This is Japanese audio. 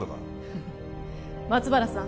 フフフ松原さん